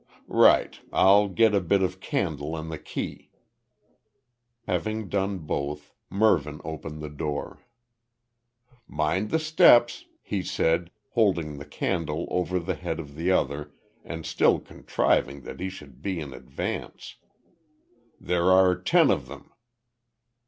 "Right. I'll get a bit of candle and the key." Having done both, Mervyn opened the door. "Mind the steps," he said, holding the candle over the head of the other and still contriving that he should be in advance. "There are ten of them."